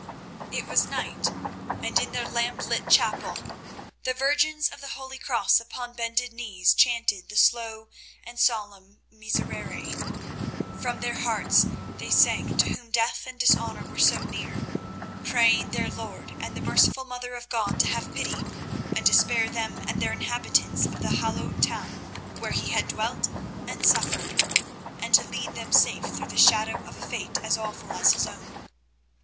It was night, and in their lamp lit chapel the Virgins of the Holy Cross upon bended knees chanted the slow and solemn Miserere. From their hearts they sang, to whom death and dishonour were so near, praying their Lord and the merciful Mother of God to have pity, and to spare them and the inhabitants of the hallowed town where He had dwelt and suffered, and to lead them safe through the shadow of a fate as awful as His own.